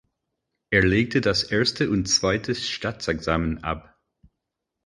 Er legte das Erste und Zweite Staatsexamen ab.